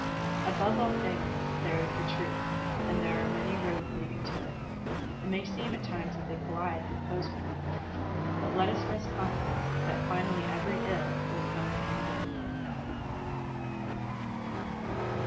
Above all things, there is the truth, and there are many roads leading to it. It may seem at times that they collide and oppose one another. But let us rest confident that finally every ill will come to some good.